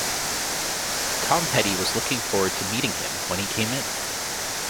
Tom Petty was looking forward to meeting him when he came in.